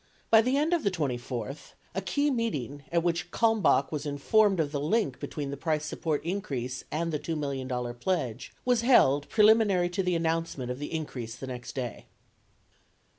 By the end of the 24th, a key meeting — at which Kalmbach was informed of the link between the price support increase and the $2 million pledge — was held pre liminary to the announcement of the. increase the next day.